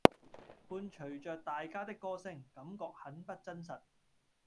伴隨著大家的歌聲，感覺很不真實